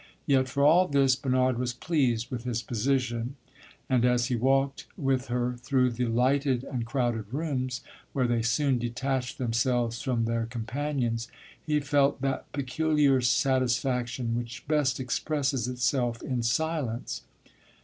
Yet, for all this, Bernard was pleased with his position; and, as he walked with her through the lighted and crowded rooms, where they soon detached themselves from their companions, he felt that peculiar satisfaction which best expresses itself in silence.